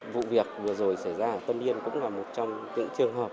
vụ việc vừa rồi xảy ra ở tân yên cũng là một trong những trường hợp